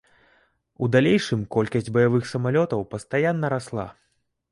У далейшым колькасць баявых самалётаў пастаянна расла.